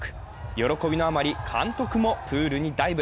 喜びのあまり、監督もプールにダイブ。